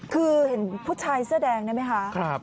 คือเห็นผู้ชายเสื้อแดงได้ไหมคะ